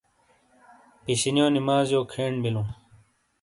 پِشِینیو نمازیو کھین بِیلوں۔